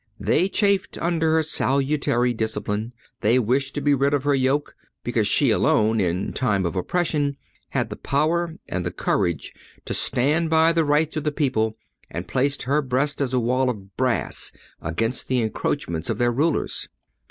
They chafed under her salutary discipline; they wished to be rid of her yoke, because she alone, in time of oppression, had the power and the courage to stand by the rights of the people, and place her breast as a wall of brass against the encroachments of their rulers.